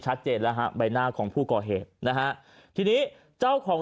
ชัดเจนแล้วฮะใบหน้าของผู้ก่อเหตุนะฮะทีนี้เจ้าของ